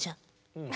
うん。